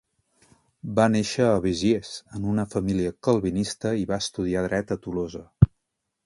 Va néixer a Besiers en una família calvinista i va estudiar dret a Tolosa.